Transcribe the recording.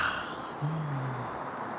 うん。